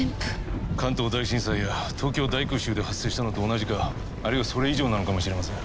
関東大震災や東京大空襲で発生したのと同じかあるいはそれ以上なのかもしれません。